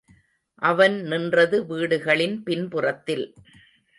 அவன் நின்றது வீடுகளின் பின்புறத்தில்.